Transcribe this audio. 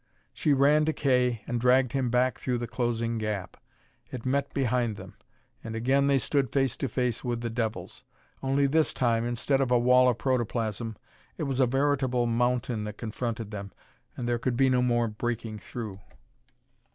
She ran to Kay and dragged him back through the closing gap. It met behind them, and again they stood face to face with the devils. Only this time, instead of a wall of protoplasm, it was a veritable mountain that confronted them, and there could be no more breaking through.